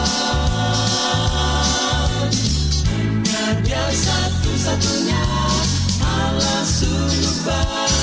hanya dia satu satunya allah sungguh baik